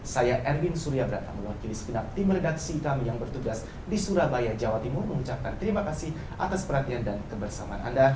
saya erwin surya brata melalui disiplin tim redaksi kami yang bertugas di surabaya jawa timur mengucapkan terima kasih atas perhatian dan kebersamaan anda